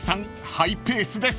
ハイペースです］